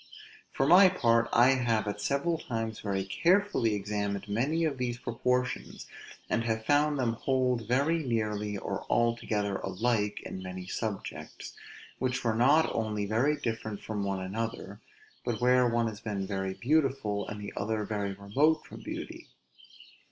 For my part, I have at several times very carefully examined many of those proportions, and found them hold very nearly, or altogether alike in many subjects, which were not only very different from one another, but where one has been very beautiful, and the other very remote from beauty.